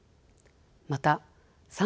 また３